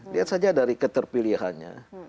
lihat saja dari keterpilihannya